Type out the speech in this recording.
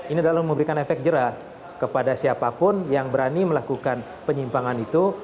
ini dalam memberikan efek jerah kepada siapapun yang berani melakukan penyimpangan itu